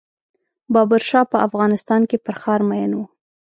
بابر شاه په افغانستان کې پر ښار مین و.